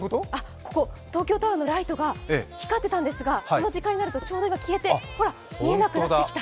ここ、東京タワーのライトが光ってたんですが、この時間になるとちょうど今、消えて、ほら、見えなくなってきた。